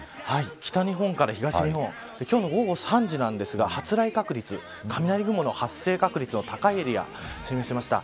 北日本から東日本今日の午後３時なんですが発雷確率雷雲の発生確率の高いエリアを示しました。